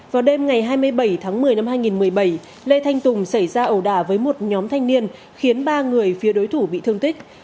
vào đêm ngày hai mươi bảy tháng một mươi năm hai nghìn một mươi bảy lê thanh tùng xảy ra ẩu đả với một nhóm thanh niên khiến ba người phía đối thủ bị thương tích